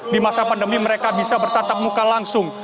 di masa pandemi mereka bisa bertatap muka langsung